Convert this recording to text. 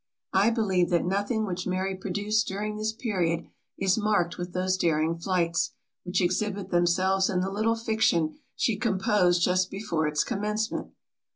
I believe that nothing which Mary produced during this period, is marked with those daring flights, which exhibit themselves in the little fiction she composed just before its commencement.